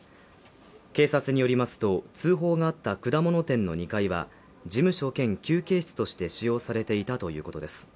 警察によりますと、通報があった果物店の２階は事務所兼休憩室として使用されていたということです。